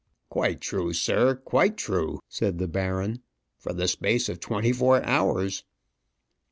"Quite true, sir; quite true," said the baron, "for the space of twenty four hours."